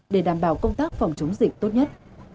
để đảm bảo công tác phòng chống dịch tốt nhất